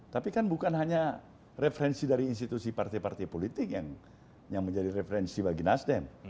tapi kan bukan hanya referensi dari institusi partai partai politik yang menjadi referensi bagi nasdem